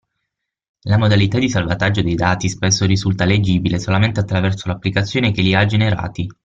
La modalità di salvataggio dei dati spesso risulta leggibile solamente attraverso l'applicazione che li ha generati.